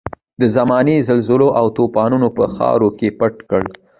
د زمانې زلزلو او توپانونو په خاورو کې پټ کړ.